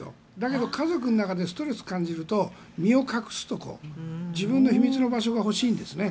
家族の中にストレスを感じると身を隠すところ自分の秘密の場所が欲しいんですね。